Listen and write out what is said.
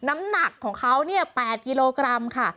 น้ำหนักของเขาเนี่ย๘กิโลกรัมค่ะ